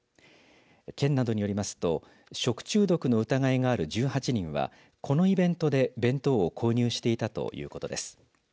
県などによりますと食中毒の疑いがある１８人はこのイベントで弁当を購入していたということです。